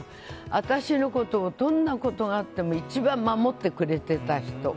私のことをどんなことがあっても一番守ってくれてた人。